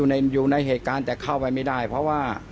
เห็นอยู่ในเหรอิการแต่เข้าไปไม่ได้เพราะว่า